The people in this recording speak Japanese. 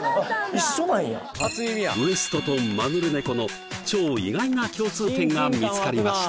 一緒なんやＷＥＳＴとマヌルネコの超意外な共通点が見つかりました